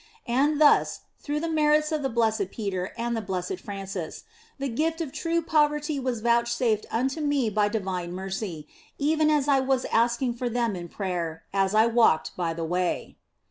And thus, through the 160 THE BLESSED ANGELA merits of the Blessed Peter and the Blessed Francis the gift of true poverty was vouchsafed unto me by divine mercy, even as I was asking for them in prayer as I walked by the way.